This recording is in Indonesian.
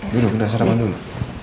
duduk udah sarapan dulu